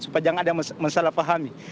supaya jangan ada yang salah pahami